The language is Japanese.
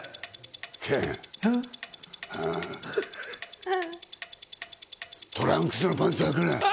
健、トランクスのパンツはくな！